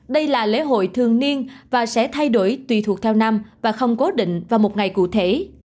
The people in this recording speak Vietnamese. đây là lễ hội thường niên và sẽ thay đổi tùy thuộc theo năm và không cố định vào một ngày cụ thể